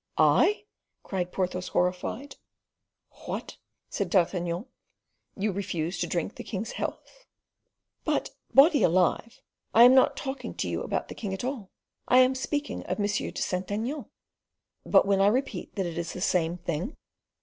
"I?" cried Porthos, horrified. "What!" said D'Artagnan, "you refuse to drink the king's health?" "But, body alive! I am not talking to you about the king at all; I am speaking of M. de Saint Aignan." "But when I repeat that it is the same thing?"